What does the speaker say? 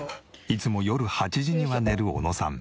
いつも夜８時には寝る小野さん。